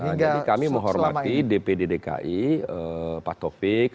jadi kami menghormati dpd dki pak topik